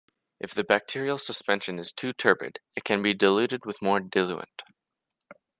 If the bacterial suspension is too turbid, it can be diluted with more diluent.